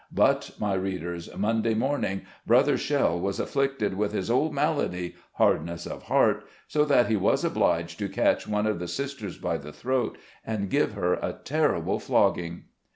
But, my readers, Monday morning, Brother Shell was afflicted with his old malady, hardness of heart, so that he was obliged to catch one of the sisters by the throat, and give her a terri ble flogging.